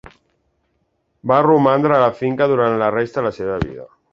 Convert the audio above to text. Va romandre a la finca durant la resta de la seva vida.